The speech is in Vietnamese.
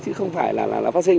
chứ không phải là phát sinh